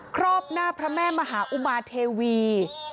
รอบหน้าพระแม่มหาอุมาเทวี